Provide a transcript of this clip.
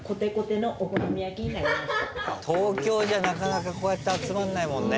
東京じゃなかなかこうやって集まんないもんね。